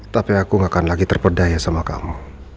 tapi aku ga akan lagi terpedaya sama kamu